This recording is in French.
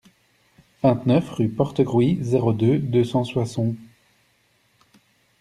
vingt-neuf rue Porte Crouy, zéro deux, deux cents Soissons